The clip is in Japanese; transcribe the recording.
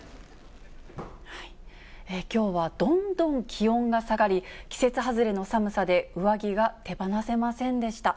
きょうはどんどん気温が下がり、季節外れの寒さで上着が手放せませんでした。